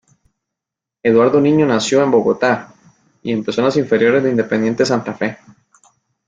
Eduardo Niño nació en Bogotá, y empezó en las inferiores de Independiente Santa Fe.